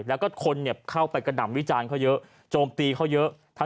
แล้วก็คนเข้าไปกระหน่ำวิจารณ์เขาเยอะโจมตีเขาเยอะ